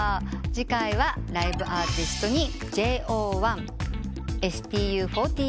次回はライブアーティストに。